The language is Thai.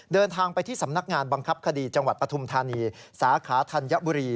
เดินทางไปที่สำนักงานบังคับคดีจังหวัดปฐุมธานีสาขาธัญบุรี